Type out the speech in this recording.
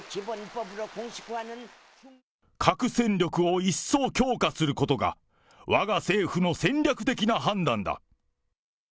核戦略を一層強化することが、わが政府の戦略的な判断だ。